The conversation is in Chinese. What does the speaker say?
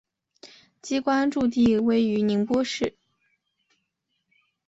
机关驻地位于宁波市。